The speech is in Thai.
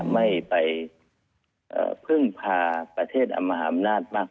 ไม่ไปเพิ่งพาประเทศมหามนาฏมาก